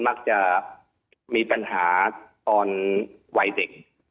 มักจะมีปัญหาตอนวัยเด็ก